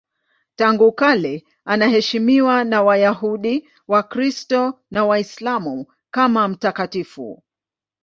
Tangu kale anaheshimiwa na Wayahudi, Wakristo na Waislamu kama mtakatifu.